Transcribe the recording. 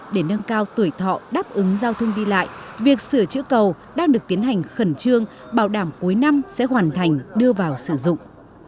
để nâng cao tuổi thọ đáp ứng giao thương đi lại việc sửa chữa cầu đang được tiến hành khẩn trương bảo đảm cuối năm sẽ hoàn thành đưa vào sử dụng